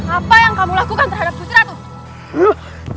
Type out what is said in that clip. apa yang kamu lakukan terhadapku